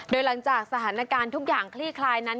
โดยหลังจากสถานการณ์ทุกอย่างคลี่คลายนั้น